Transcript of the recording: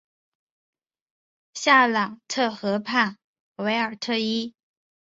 夏朗特河畔韦尔特伊。